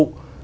để phát triển